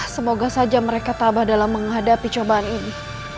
semoga saja mereka tabah dalam menghadapi cobaan ini